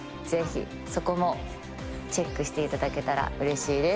ぜひそこもチェックしていただけたら嬉しいです